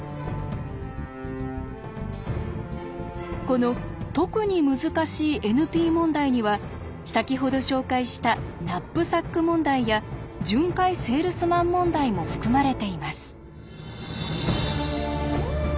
この特に難しいＮＰ問題には先ほど紹介したナップサック問題や巡回セールスマン問題も含まれています。